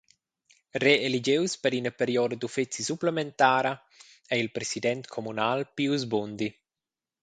Reeligius per ina perioda d’uffeci supplementara ei il president communal Pius Bundi.